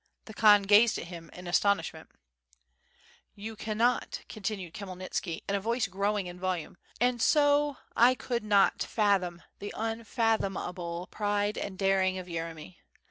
The Khan gazed at him in astonishment. "You cannot," continued Khmyelnitski in a voice growing in volume, "and so I could not fathom the unfathomable pride and daring of Yeremy.